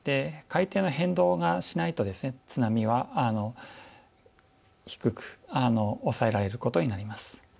海底の変動がしないと津波は低く抑えられることになります。